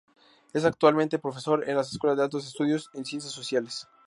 Es actualmente profesor en la "Escuela de altos estudios en ciencias sociales".